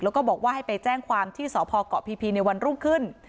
แล้วก็บอกว่าให้ไปแจ้งความที่สพเกาะพีในวันรุ่งขึ้น